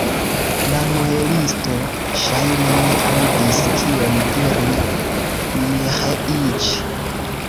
La muelisto, ŝajne, ne aŭdis, kion diris Miĥeiĉ.